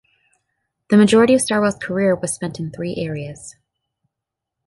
The majority of "Starwell"'s career was spent in three areas.